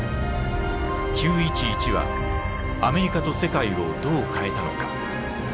９．１１はアメリカと世界をどう変えたのか。